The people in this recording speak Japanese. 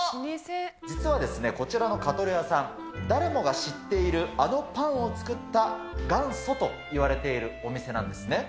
実はですね、こちらのカトレアさん、誰もが知っているあのパンを作った元祖といわれているお店なんですね。